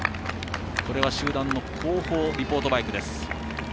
集団の後方、リポートマイクです。